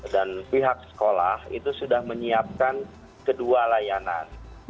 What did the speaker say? dan pihak sekolah itu sudah menyiapkan kedua layanan